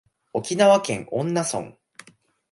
沖縄県恩納村